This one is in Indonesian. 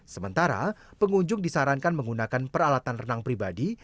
sementara pengunjung disarankan menggunakan peralatan renang pribadi